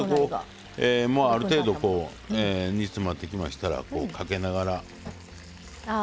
ある程度煮詰まってきましたらかけながら。